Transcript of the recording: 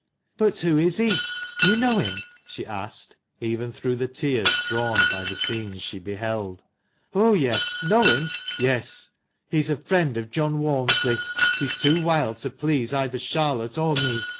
"But who is he? Do you know him?" she asked, even through the tears drawn by the scenes she beheld. "Oh, yes; know him? yes. He's a friend of John Walmsley. He's too wild to please either Charlotte or me